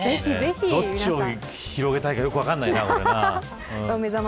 どっちに広げたいのかよく分かんないな。